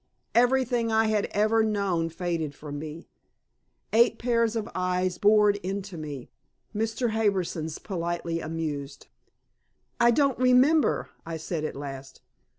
Everything I had ever known faded from me, eight pairs of eyes bored into me, Mr. Harbison's politely amused. "I don't remember," I said at last.